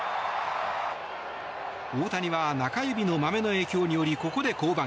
大谷は中指のまめの影響によりここで降板。